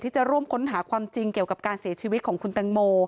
จะร่วมค้นหาความจริงเกี่ยวกับการเสียชีวิตของคุณตังโม